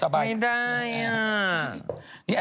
ไม่ได้อ่ะ